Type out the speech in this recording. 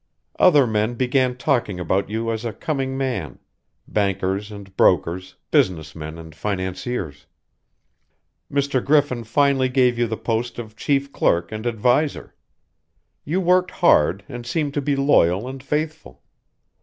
"Other men began talking about you as a coming man bankers and brokers, business men and financiers. Mr. Griffin finally gave you the post of chief clerk and adviser. You worked hard and seemed to be loyal and faithful.